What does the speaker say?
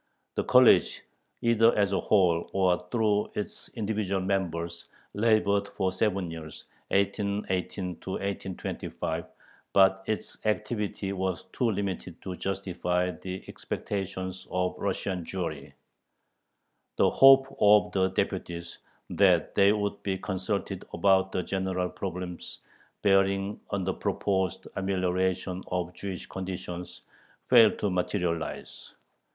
The "college," either as a whole or through its individual members, labored for seven years (1818 1825), but its activity was too limited to justify the expectations of Russian Jewry. The hope of the deputies, that they would be consulted about the general problems bearing on the proposed amelioration of Jewish conditions, failed to materialize.